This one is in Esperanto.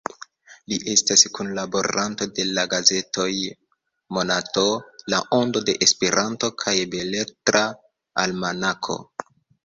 Li estas kunlaboranto de la gazetoj Monato, La Ondo de Esperanto kaj Beletra Almanako.